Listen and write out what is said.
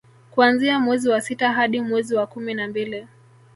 kuanzia mwezi wa sita hadi mwezi wa kumi na mbili